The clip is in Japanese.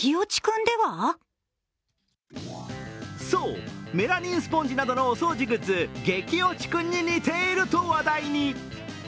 そう、メラミンスポンジなどのお掃除グッズ、激落ちくんに似ていると話題に。